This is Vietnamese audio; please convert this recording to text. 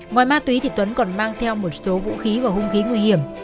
ngoài ma túy thì tuấn còn mang theo một số vũ khí và hung khí nguy hiểm